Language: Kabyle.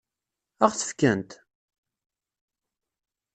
Ad ɣ-t-fkent?